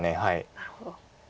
なるほど。